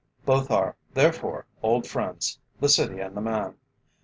Both are, therefore, old friends, the city and the man.